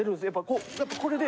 こうやっぱこれで。